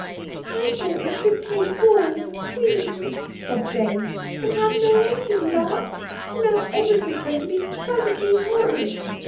"I thought we should play ball with queens," sobbed Jane, "and have no end of larks! And now everything's going to be perfectly horrid!"